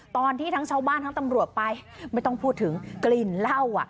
ตอนที่ทั้งชาวบ้านทั้งตำรวจไปไม่ต้องพูดถึงกลิ่นเหล้า